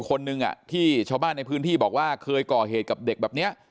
คนหนึ่งที่ชาวบ้านในพื้นที่บอกว่าเคยก่อเหตุกับเด็กแบบนี้